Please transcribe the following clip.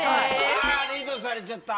あっリードされちゃった。